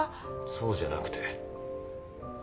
そうじゃなくて。